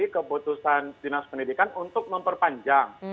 keputusan dinas pendidikan untuk memperpanjang